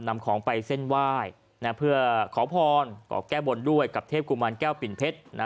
นำของไปเส้นไหว้นะเพื่อขอพรก็แก้บนด้วยกับเทพกุมารแก้วปิ่นเพชรนะ